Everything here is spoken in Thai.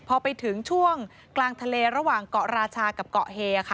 พอไปถึงช่วงกลางทะเลระหว่างเกาะราชากับเกาะเฮค่ะ